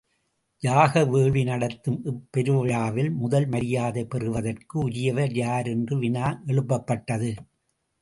யாக வேள்வி நடத்தும் இப்பெருவிழாவில் முதல் மரியாதை பெறுவதற்கு உரியவர் யார் என்ற வினா எழுப்பப்பட்டது.